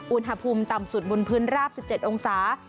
อุณหภูมิต่ำสุดบนพื้นราบ๑๗องศา